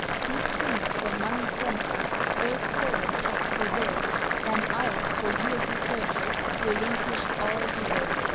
"These things for money promptly, Earth's servants oft forego, Then I, for years eternal, Relinquish all below.